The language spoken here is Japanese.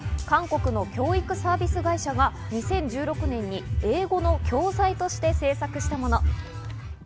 韓国の教育サービス会社が２０１６年に英語の教材として制作したもの。